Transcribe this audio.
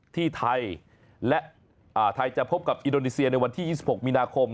ที่ไทยและไทยจะพบกับอินโดนีเซียในวันที่๒๖มีนาคม